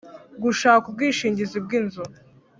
Gushaka ubwishingizi bw inzu